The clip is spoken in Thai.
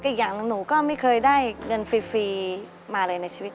อีกอย่างหนึ่งหนูก็ไม่เคยได้เงินฟรีมาเลยในชีวิต